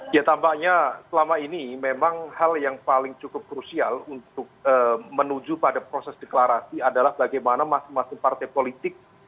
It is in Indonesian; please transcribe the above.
ya tampaknya selama ini memang hal yang paling cukup krusial untuk menuju pada proses deklarasi adalah bagaimana masing masing partai politik